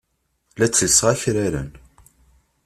La ttellseɣ akraren.